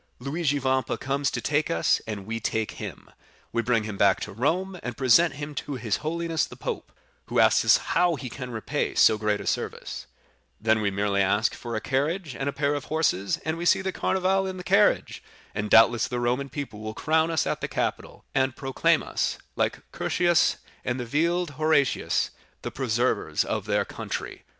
Luigi Vampa comes to take us, and we take him—we bring him back to Rome, and present him to his holiness the Pope, who asks how he can repay so great a service; then we merely ask for a carriage and a pair of horses, and we see the Carnival in the carriage, and doubtless the Roman people will crown us at the Capitol, and proclaim us, like Curtius and Horatius Cocles, the preservers of their country."